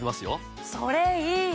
それいい！